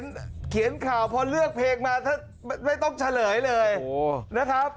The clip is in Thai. โอ้โหบ๊อกกอนุเขียนข่าวพอเลือกเพลงมาไม่ต้องเฉลยเลยนะครับ